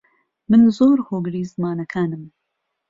من زۆر هۆگری زمانەکانم.